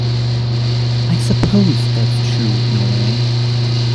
I suppose that's true in a way.